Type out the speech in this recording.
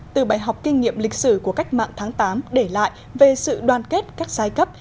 từ bài học kinh nghiệm lịch sử của cách mạng tháng tám để lại về sự đoàn kết các giai cấp